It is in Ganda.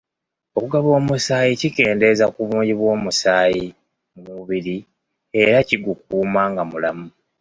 Okugaba omusaayi kikendeeza ku bungi bw'omusaayi mu mubiri era kigukuuma nga mulamu.